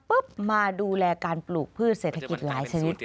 มาดูแลการปลูกพืชเศรษฐกิจหลายชนิด